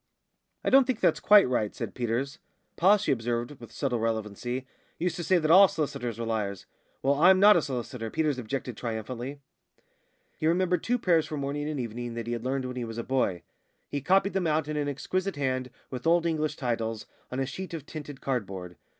"I don't think that's quite right," said Peters. "Pa," she observed, with subtle relevancy, "used to say that all s'listers were liars." "Well, I'm not a solicitor," Peters objected triumphantly. He remembered two prayers for morning and evening that he had learned when he was a boy. He copied them out in an exquisite hand, with Old English titles, on a sheet of tinted cardboard.